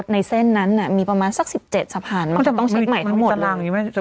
นี่เขาจะมีสร้างทางด่วนต่อขยาย